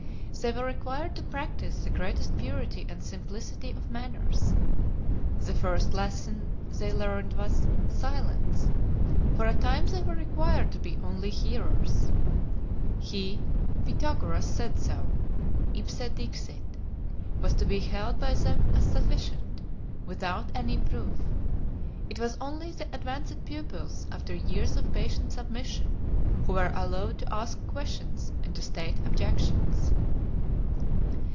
They were required to practise the greatest purity and simplicity of manners. The first lesson they learned was SILENCE; for a time they were required to be only hearers. "He [Pythagoras] said so" (Ipse dixit), was to be held by them as sufficient, without any proof. It was only the advanced pupils, after years of patient submission, who were allowed to ask questions and to state objections.